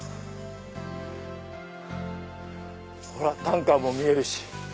ほらタンカーも見えるし。